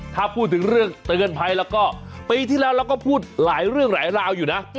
ถ้าพูดถึงเรื่องเตือนภัยแล้วก็ปีที่แล้วเราก็พูดหลายเรื่องหลายราวอยู่นะ